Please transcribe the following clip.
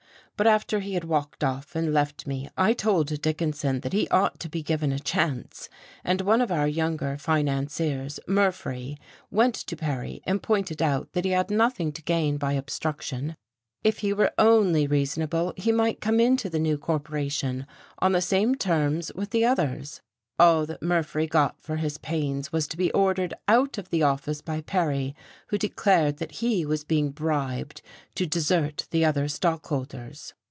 But after he had walked off and left me I told Dickinson that he ought to be given a chance, and one of our younger financiers, Murphree, went to Perry and pointed out that he had nothing to gain by obstruction; if he were only reasonable, he might come into the new corporation on the same terms with the others. All that Murphree got for his pains was to be ordered out of the office by Perry, who declared that he was being bribed to desert the other stockholders.